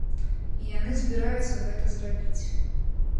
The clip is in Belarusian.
І яны збіраюцца гэта зрабіць.